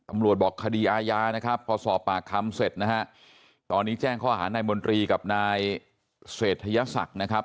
อำรวจบอกคดีอายานะครับพอสอบปากคำเสร็จนะฮะ